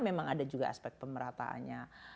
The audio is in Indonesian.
karena ada juga aspek pemerataannya